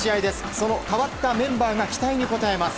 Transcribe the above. その変わったメンバーが期待に応えます。